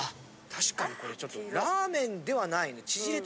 確かにこれちょっとラーメンではないね。